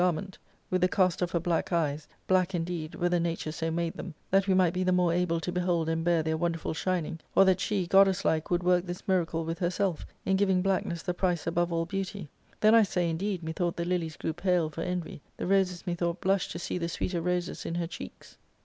garment, with the cast of her black eyes, black indeed, whether nature so made them, that we might be the more able to behold and bear their wonderful shining, or that 6he, goddess like, would work this miracle with herself, in giving blackness the price above all beauty, — then, I say, indeed methought the lilies grew pale for envy, the roses mcthought blushed to see sweeter roses in her cheeks, and V 74 ARCADIA.